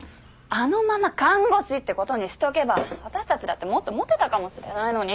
あのまま看護師ってことにしとけば私たちだってもっとモテたかもしれないのに。